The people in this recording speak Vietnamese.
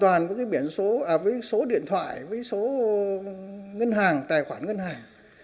toàn với cái biển số với số điện thoại với số ngân hàng tài khoản ngân hàng